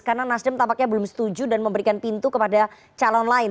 karena nasdem tampaknya belum setuju dan memberikan pintu kepada calon lain